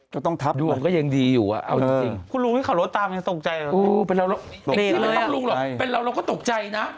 ก็ต้องทับนะเอาจริงคุณลุงที่ขับรถตามตกใจเหรอเป็นเราก็ตกใจนะ